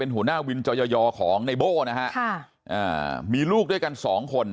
หัวหน้าวินจอยอของในโบ้นะฮะมีลูกด้วยกันสองคน